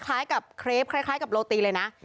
คล้ายกับเครปคล้ายกับโรตีเลยนะ